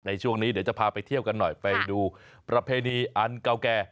ในช่วงนี้เดี๋ยวจะพาไปเที่ยวกันหน่อยไปดูประเพณีอันเก่าแก่